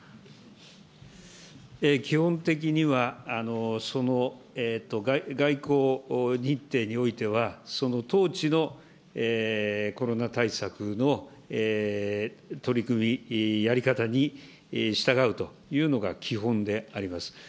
基本的には、外交日程においては、その当地のコロナ対策の取り組み、やり方に従うというのが基本であります。